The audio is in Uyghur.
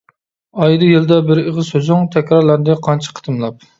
ئايدا يىلدا بىر ئېغىز سۆزۈڭ، تەكرارلاندى قانچە قېتىملاپ.